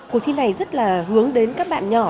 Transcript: cuộc thi này rất là hướng đến các bạn nhỏ